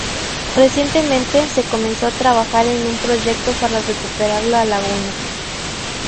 Recientemente, se comenzó a trabajar en un proyecto para recuperar la laguna.